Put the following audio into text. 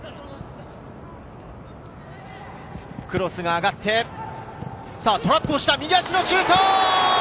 クロスが上がって、トラップをした、右足のシュート！